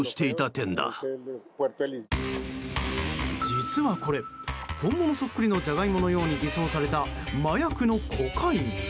実はこれ、本物そっくりのジャガイモのように偽装された麻薬のコカイン。